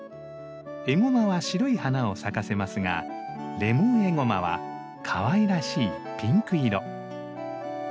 エゴマは白い花を咲かせますがレモンエゴマはかわいらしいピンク色。